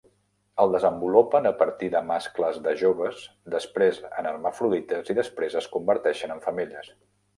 Es desenvolupen a partir de mascles de joves, després en hermafrodites i després es converteixen en femelles.